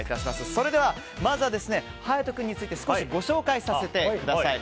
それでは、まずは勇人君について少しご紹介させてください。